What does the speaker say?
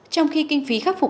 trong khi kinh phí khắc phục